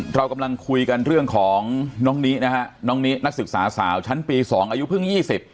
เรากำลังคุยกันเรื่องของน้องนินะฮะน้องนินักศึกษาสาวชั้นปีสองอายุเพิ่งยี่สิบ